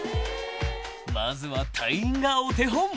［まずは隊員がお手本］